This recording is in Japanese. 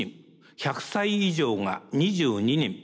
１００歳以上が２２人。